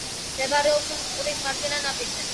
მდებარეობს მტკვრის მარჯვენა ნაპირზე.